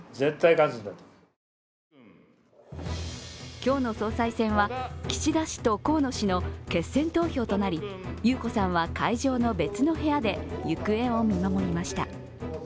今日の総裁選は岸田氏と河野氏の決選投票となり裕子さんは会場の別の部屋で行方を見守りました。